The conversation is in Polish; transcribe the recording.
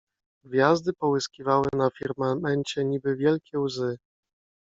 Gwiazdy połyskiwały na firmamencie niby wielkie łzy.